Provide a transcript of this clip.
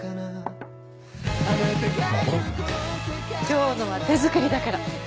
今日のは手作りだから。